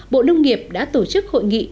bộ nông nghiệp đã tổ chức hội nghị